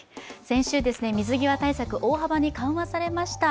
先週、水際対策、大幅に緩和されました。